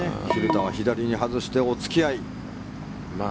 蛭田は左に外してお付き合い。